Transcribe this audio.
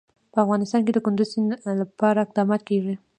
په افغانستان کې د کندز سیند لپاره اقدامات کېږي.